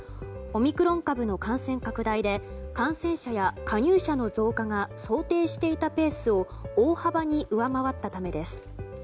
オミクロン株の感染拡大で感染者や加入者の増加が想定していたペースを大幅に上回ったためです。